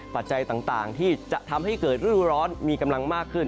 ปัจจัยต่างที่จะทำให้เกิดฤดูร้อนมีกำลังมากขึ้น